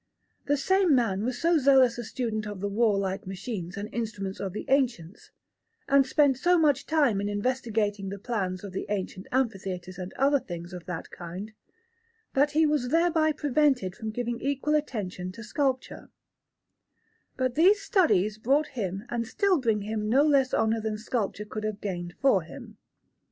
The same man was so zealous a student of the warlike machines and instruments of the ancients, and spent so much time in investigating the plans of the ancient amphitheatres and other things of that kind, that he was thereby prevented from giving equal attention to sculpture; but these studies brought him and still bring him no less honour than sculpture could have gained for him.